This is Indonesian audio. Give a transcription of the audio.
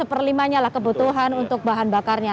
satu per lima nya lah kebutuhan untuk bahan bakarnya